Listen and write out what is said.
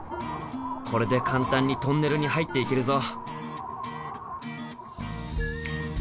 これで簡単にトンネルに入っていけるぞ。